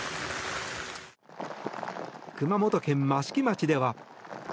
熊本県益城町では。